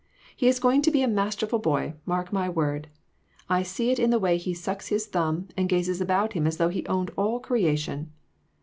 He is going to be a masterful boy, mark my word ! I can see it in the way he sucks his thumb and gazes about him as though he owned all creation.